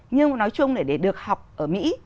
nói chung là để được học ở mỹ